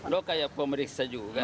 lo kayak pemeriksa juga